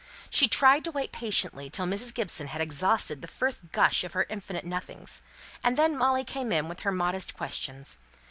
She tried to wait patiently till Mrs. Gibson had exhausted the first gush of her infinite nothings; and then Molly came in with her modest questions.